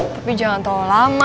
tapi jangan terlalu lama